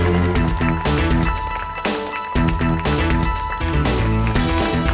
aku pinter buat kali ini